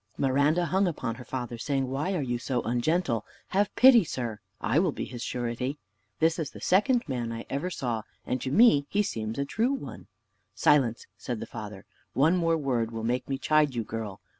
Miranda hung upon her father, saying, "Why are you so ungentle? Have pity, sir; I will be his surety. This is the second man I ever saw, and to me he seems a true one." "Silence," said the father: "one word more will make me chide you, girl!